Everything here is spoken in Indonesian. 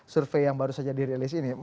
survei yang baru saja dirilis ini